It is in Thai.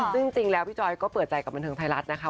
ซึ่งจริงแล้วพี่จอยก็เปิดใจกับบันเทิงไทยรัฐนะคะ